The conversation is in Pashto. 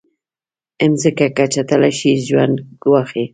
مځکه که چټله شي، ژوند ګواښي.